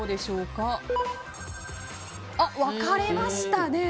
分かれましたね。